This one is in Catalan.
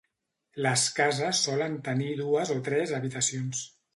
Les cases solen tenir dues o tres habitacions.